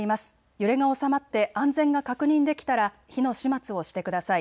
揺れが収まって安全が確認できたら火の始末をしてください。